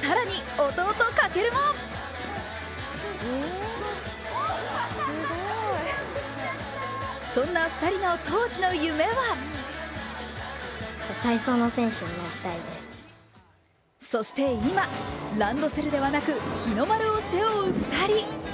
更に、弟・翔もそんな２人の当時の夢はそして今、ランドセルではなく日の丸を背負う２人。